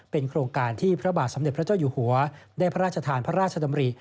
โครงการที่พระบาทสมเด็จพระเจ้าอยู่หัวได้พระราชทานพระราชดำริ